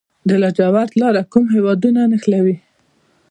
د لاجوردو لاره کوم هیوادونه نښلوي؟